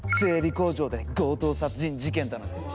工場で強盗殺人事件だなんて。